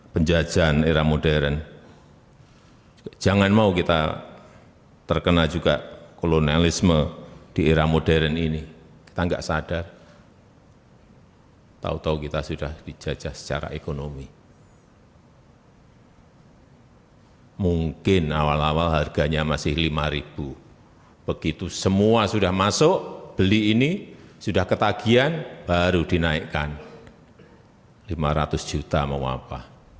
pertama harganya masih rp lima begitu semua sudah masuk beli ini sudah ketagihan baru dinaikkan rp lima ratus juta mau apa